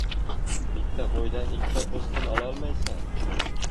• Bitta qo‘ydan ikkita po‘stin ololmaysan.